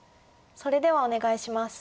それではお願いします。